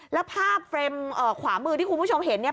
และภาพเฟรมเอ่อขวามือที่คุณผู้ชมเห็นนี้